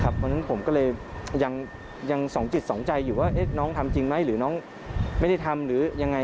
เพราะฉะนั้นผมก็เลยยังสองจิตสองใจอยู่ว่าน้องทำจริงไหมหรือน้องไม่ได้ทำหรือยังไง